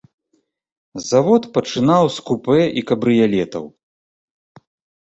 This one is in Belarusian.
Завод пачынаў з купэ і кабрыялетаў.